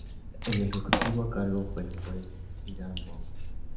El ejecutivo a cargo fue el juez Hiram Bond.